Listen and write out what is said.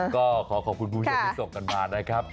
ก็ขอขอบคุณคุณผู้ชมที่ส่งกันมานะครับ